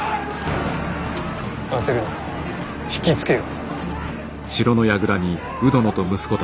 焦るな引き付けよ。